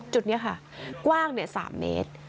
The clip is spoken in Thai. จุดนี้ค่ะกว้าง๓เมตร